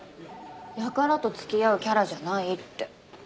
輩と付き合うキャラじゃないって。